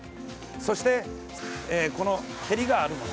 そして、この照りがあるもの。